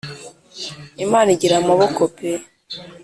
imana igira amaboko pe